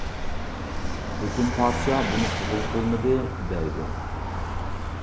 لېكىن پادىشاھ بۇنى قوبۇل قىلمىدى، دەيدۇ.